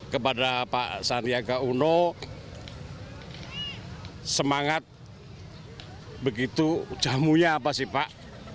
kepada pak sandiaga uno semangat begitu jamunya apa sih pak